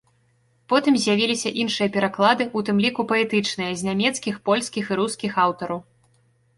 Потым з'явіліся іншыя пераклады, у тым ліку паэтычныя, з нямецкіх, польскіх і рускіх аўтараў.